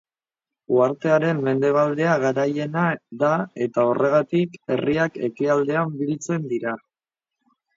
Uhartearen mendebaldea garaiena da eta, horregatik, herriak ekialdean biltzen dira.